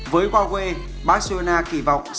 với huawei barcelona kỳ vọng